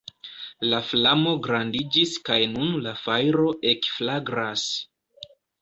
La flamo grandiĝis kaj nun la fajro ekflagras.